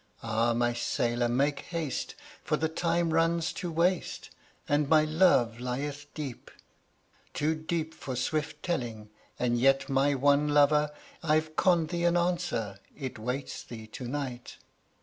Ah, my sailor, make haste, For the time runs to waste, And my love lieth deep "Too deep for swift telling: and yet my one lover I've conned thee an answer, it waits thee to night."